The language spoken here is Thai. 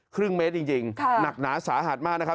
ครึ่งเมตรจริงหนักหนาสาหัสมากนะครับ